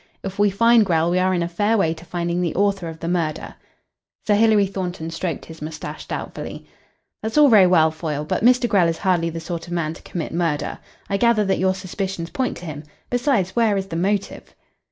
If we find Grell we are in a fair way to finding the author of the murder." Sir Hilary Thornton stroked his moustache doubtfully. "That's all very well, Foyle, but Mr. Grell is hardly the sort of man to commit murder. I gather that your suspicions point to him. Besides, where is the motive?"